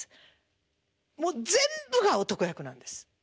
もう全部が男役なんです。